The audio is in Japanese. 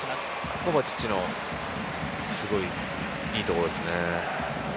コヴァチッチのすごい、いいところですね。